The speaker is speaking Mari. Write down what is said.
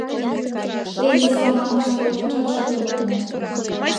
— Тений саманыште иленжат шотым от му.